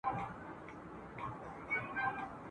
منت واخله، ولي منت مکوه ..